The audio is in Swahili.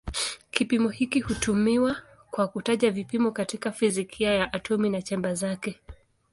Kipimo hiki hutumiwa kwa kutaja vipimo katika fizikia ya atomi na chembe zake.